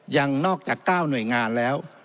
ยังนอกจาก๙หน่วยงานแล้ว